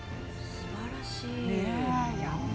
すばらしい。